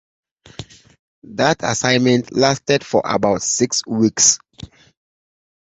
That assignment lasted for about six weeks.